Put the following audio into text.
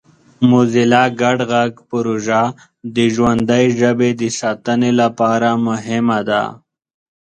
موزیلا ګډ غږ پروژه د ژوندۍ ژبې د ساتنې لپاره مهمه ده.